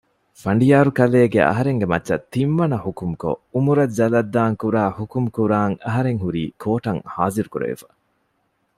ފަނޑިޔާރުކަލޭނގެ އަހަރެންގެ މައްޗަށް ތިން ވަނަ ޙުކުމްކޮށް ޢުމުރަށް ޖަލަށްދާން ކުރާ ޙުކުމުކުރާން އަހަރެން ހުރީ ކޯޓަށް ޙާޟިރުކުރެވިފަ